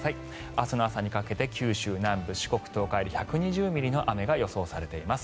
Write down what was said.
明日の朝にかけて九州南部、四国、東海で１２０ミリの雨が予想されています。